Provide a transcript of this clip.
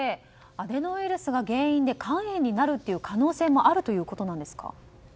アデノウイルスが原因で肝炎になる可能性もあるということですか？